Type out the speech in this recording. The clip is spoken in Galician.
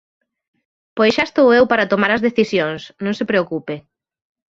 Pois xa estou eu para tomar as decisións, non se preocupe.